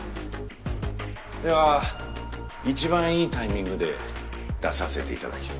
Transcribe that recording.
では一番いいタイミングで出させていただきます。